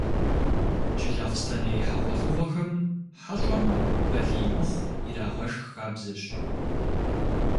Джылэхъстэней хьэгъуэлӏыгъуэхэм хьэщӏэм «балий мыхъу» ирагъэшх хабзэщ.